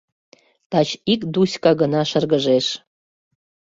Лач ик Дуська гына шыргыжеш.